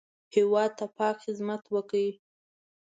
هېواد ته پاک خدمت وکړئ